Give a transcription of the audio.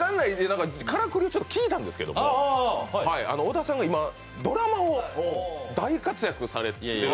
からくりをちょっと聞いたんですけど小田さんが今ドラマを大活躍されていて。